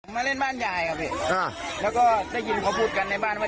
มาเล่นบ้านยายครับพี่อ่าแล้วก็ได้ยินเขาพูดกันในบ้านว่า